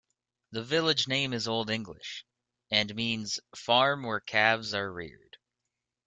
The village name is Old English, and means 'farm where calves are reared'.